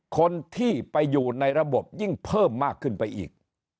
คนที่ไปอยู่ในระบบยิ่งเพิ่มมากขึ้นไปอีก